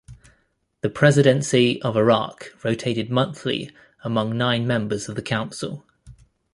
The presidency of Iraq rotated monthly among nine members of the council.